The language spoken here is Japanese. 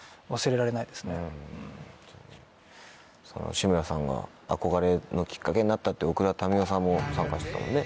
志村さんが憧れのきっかけになったっていう奥田民生さんも参加してたもんね。